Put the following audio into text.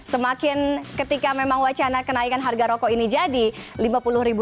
semakin ketika memang wacana kenaikan harga rokok ini jadi rp lima puluh